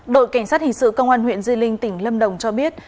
đội cảnh sát hình sự công an huyện di linh tỉnh lâm đồng cho biết